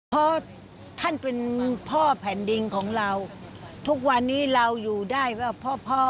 เพราะท่านเป็นพ่อแผ่นดินของเราทุกวันนี้เราอยู่ได้ว่าพ่อพ่อ